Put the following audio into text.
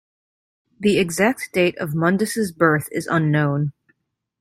The exact date of Mundus's birth is unknown.